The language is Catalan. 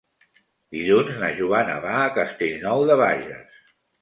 Dilluns na Joana va a Castellnou de Bages.